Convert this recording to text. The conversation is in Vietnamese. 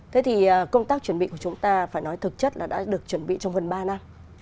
thế thì công tác chuẩn bị của chúng ta phải nói thực chất là đã được chuẩn bị trong gần ba năm